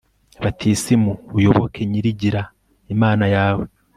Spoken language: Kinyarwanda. batisimu, uyoboke nyirigira, imana yawe